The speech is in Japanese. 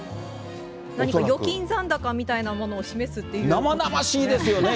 何か預金残高みたいなものを示すっていうことですかね。